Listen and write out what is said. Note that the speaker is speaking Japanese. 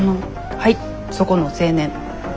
はいそこの青年。